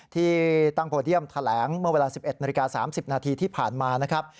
ที่ตั้งโพเดียมแถลงเมื่อเวลา๑๑นาฬิกา๓๐นาทีที่ผ่านมานะครับ